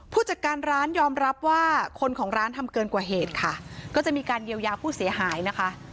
ผู้จัดการร้านยอมรับว่าคนของร้านทำเกินกว่าเหตุค่ะก็จะมีการเยียวยาผู้เสียหายนะคะ